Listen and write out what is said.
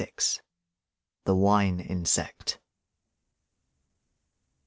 CXXVI. THE WINE INSECT.